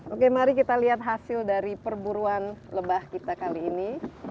oke mari kita lihat hasil dari perburuan lebah kita kali ini